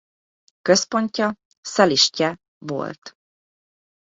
Központja Szelistye volt.